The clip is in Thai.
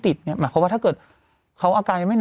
อำกาลจริงเพราะว่าถ้าเกิดเค้าอาการยังไม่ทรง